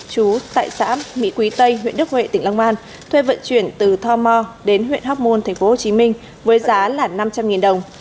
chú tại xã mỹ quý tây huyện đức huệ tỉnh long an thuê vận chuyển từ tho mò đến huyện hóc môn tp hcm với giá là năm trăm linh đồng